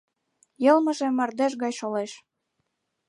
Йылмыже мардеж гай шолеш.